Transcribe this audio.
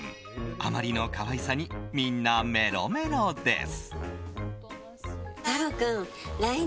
あまりの可愛さにみんなメロメロです。